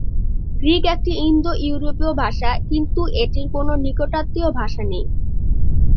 Greek একটি ইন্দো-ইউরোপীয় ভাষা, কিন্তু এটির কোন নিকটাত্মীয় ভাষা নেই।